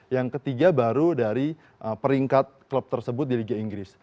yang ketiga baru dari peringkat klub tersebut di liga inggris